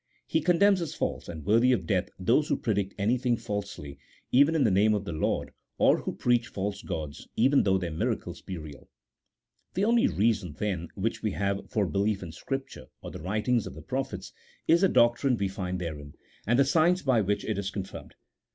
He condemns as false, and worthy of death, those who predict anything falsely even in the name of the Lord, or who preach false gods, even though their miracles be real. The only reason, then, which we have for belief in Scrip ture or the writings of the prophets, is the doctrine we find OHAP. XT.] THEOLOGY NOT SUBSERVIENT TO REASON. 197 therein, and the signs by which it is confirmed.